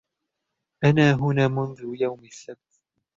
أنا هنا منذ يوم السبت.